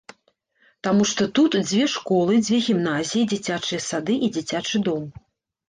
Таму што тут дзве школы, дзве гімназіі, дзіцячыя сады і дзіцячы дом.